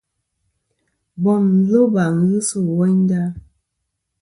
Bom loba ghɨ sɨ woynda.